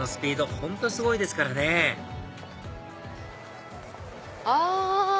本当すごいですからねあ！